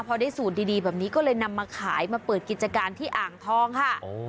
พอได้สูตรดีแบบนี้ก็เลยนำมาขายมาเปิดกิจการที่อ่างทองค่ะ